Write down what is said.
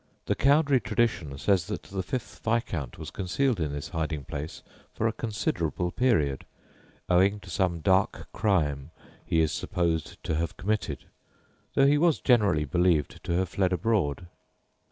The Cowdray tradition says that the fifth Viscount was concealed in this hiding place for a considerable period, owing to some dark crime he is supposed to have committed, though he was generally believed to have fled abroad.